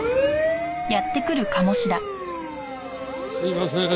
すいませーん。